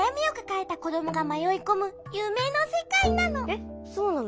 えっそうなの？